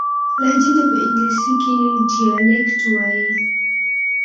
لهجې ته په انګلیسي کښي Dialect وایي.